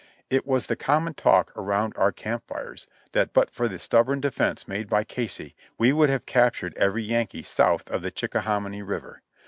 It was the common talk around our camp fires that but for the srubborn defense made by Casey we would have captured every Yankee south of the Chickahominy River.